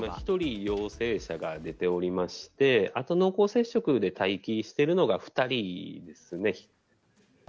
１人陽性者が出ておりまして、あと、濃厚接触で待機しているのが２人ですね。